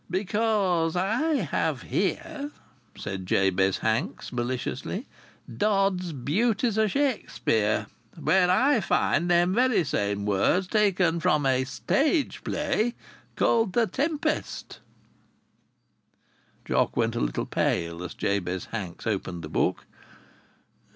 "Because I have here," said Jabez Hanks, maliciously, "Dod's Beauties o' Shakspere, where I find them very same words, taken from a stage play called The Tempest." Jock went a little pale as Jabez Hanks opened the book.